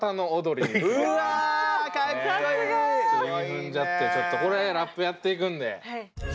韻踏んじゃってちょっとこれラップやっていくんで。